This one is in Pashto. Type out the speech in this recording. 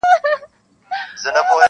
د تسو لاسو بدنامۍ خبره ورانه سوله ,